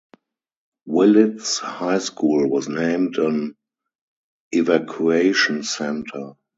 Willits High School was named an evacuation center.